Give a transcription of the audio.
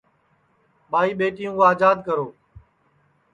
کہ ٻائی ٻیٹیں کُو آجاد کرو اُنپے کوئی دؔواب متی رکھو